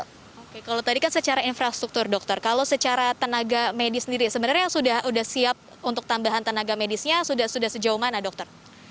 oke kalau tadi kan secara infrastruktur dokter kalau secara tenaga medis sendiri sebenarnya yang sudah siap untuk tambahan tenaga medisnya sudah sejauh mana dokter